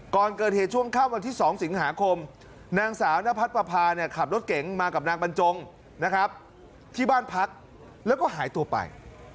ก่อนเกิดเหตุช่วงค่ำวันที่๒สิงหาคมนางสาวนพัดปภาเนี่ยขับรถเก๋งมากับนางบรรจงนะครับที่บ้านพักแล้วก็หายตัวไป